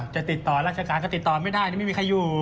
ติดต่อราชการก็ติดต่อไม่ได้ไม่มีใครอยู่